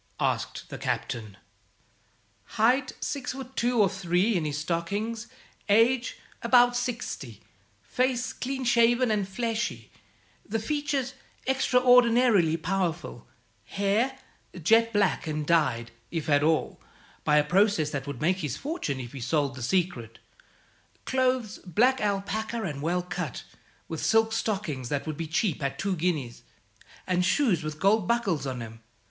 asked the Captain. "Height, six foot two or three in his stockings; age, about sixty; face, clean shaven and fleshy; the features extraordinarily powerful; hair, jet black, and dyed (if at all) by a process that would make his fortune if he sold the secret; clothes, black alpaca and well cut, with silk stockings that would be cheap at two guineas, and shoes with gold buckles on 'em.